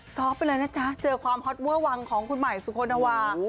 ไปเลยนะจ๊ะเจอความฮอตเวอร์วังของคุณใหม่สุโธนวา